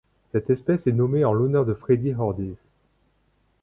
Cette espèce est nommée en l'honneur de Freddy Hordies.